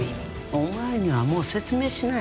お前にはもう説明しない。